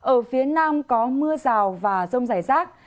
ở phía nam có mưa rào và rông rải rác